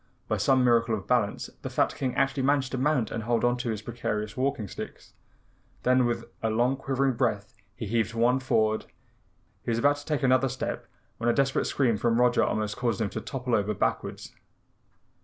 By some miracle of balance the fat King actually managed to mount and hold on to his perilous walking sticks. Then with a long quivering breath he heaved one forward. He was about to take another step when a desperate scream from Roger almost caused him to topple over backwards.